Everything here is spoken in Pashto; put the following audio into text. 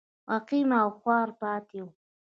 عقیم او خوار پاتې و.